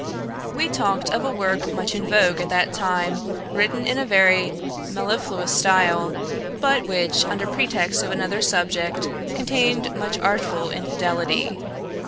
We talked of a work much in vogue at that time, written in a very mellifluous style, but which, under pretext of another subject, contained much artful infidelity.